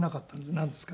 なんですか？